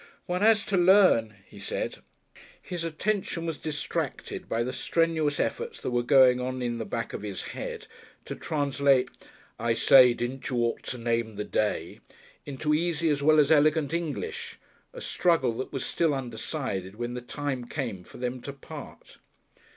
"One has to learn," he said. His attention was distracted by the strenuous efforts that were going on in the back of his head to translate, "I say, didn't you ought to name the day?" into easy as well as elegant English, a struggle that was still undecided when the time came for them to part....